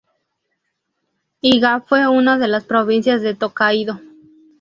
Iga fue una de las provincias de Tōkaidō.